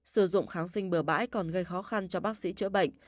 sử dụng kháng sinh bừa bãi còn gây khó khăn cho bác sĩ chữa bệnh